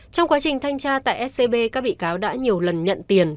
trong quá trình thanh tra tại scb các bị cáo đã nhiều lần nhận tiền